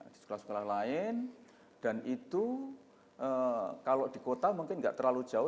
di sekolah sekolah lain dan itu kalau di kota mungkin nggak terlalu jauh